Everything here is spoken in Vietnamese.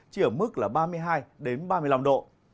chỉ ở mức là ba mươi hai ba mươi năm độ